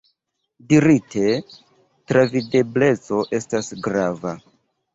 Dirite, travidebleco estas grava.